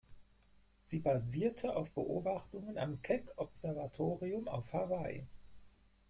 Sie basierte auf Beobachtungen am Keck-Observatorium auf Hawaii.